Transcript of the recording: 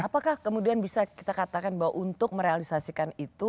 apakah kemudian bisa kita katakan bahwa untuk merealisasikan itu